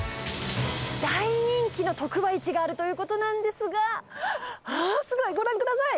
大人気の特売市があるということなんですが、あっ、すごい、ご覧ください。